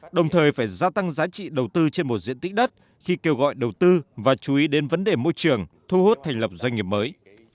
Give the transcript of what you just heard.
đồng thời phải gia tăng giá trị đầu tư trên một diện tích đất khi kêu gọi đầu tư và chú ý đến vấn đề môi trường thu hút thành lập doanh nghiệp mới